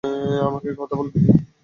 আমাকে কথা বলতে দিন।